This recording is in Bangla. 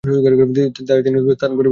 তাই তিনি স্থান পরিবর্তনের সিদ্ধান্ত নেন।